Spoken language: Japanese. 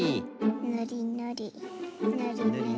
ぬりぬりぬりぬり。